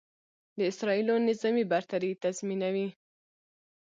د اسرائیلو نظامي برتري تضیمنوي.